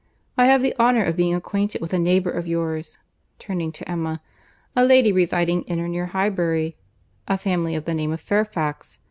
I have the honour of being acquainted with a neighbour of yours, (turning to Emma,) a lady residing in or near Highbury; a family of the name of Fairfax.